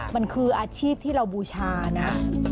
มันคืออาชีพที่เราบูชานะ